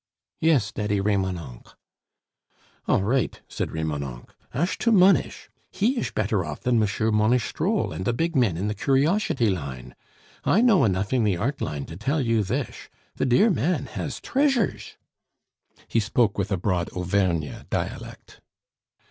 "Yes, Daddy Remonencq." "All right," said Remonencq, "ash to moneysh, he ish better off than Mouchieu Monishtrol and the big men in the curioshity line. I know enough in the art line to tell you thish the dear man has treasursh!" he spoke with a broad Auvergne dialect.